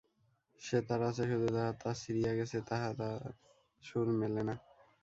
সেতার আছে শুধু তাহার তার ছিঁড়িয়া গেছে, তাহাতে আর সুর মেলে না।